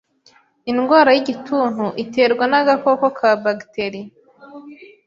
Indwara y’igituntu iterwa n’agakoko ka bagiteri